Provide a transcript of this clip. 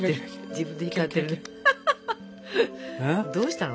どうしたの？